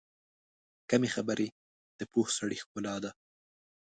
کمې خبرې، د پوه سړي ښکلا ده.